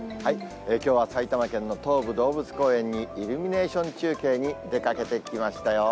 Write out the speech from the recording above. きょうは埼玉県の東武動物公園に、イルミネーション中継に出かけてきましたよ。